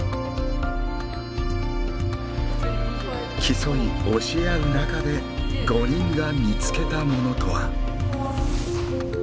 競い教え合う中で５人が見つけたものとは。